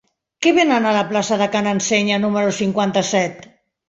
Què venen a la plaça de Ca n'Ensenya número cinquanta-set?